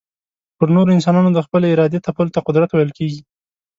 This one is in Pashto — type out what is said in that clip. پر نورو انسانانو د خپلي ارادې تپلو ته قدرت ويل کېږي.